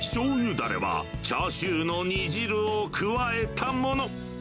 だれはチャーシューの煮汁を加えたもの。